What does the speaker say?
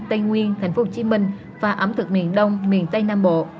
tây nguyên tp hcm và ẩm thực miền đông miền tây nam bộ